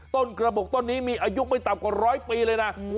กระบกต้นนี้มีอายุไม่ต่ำกว่าร้อยปีเลยนะ